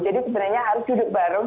jadi sebenarnya harus duduk bareng